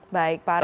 baik pak arief